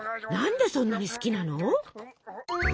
何でそんなに好きなの？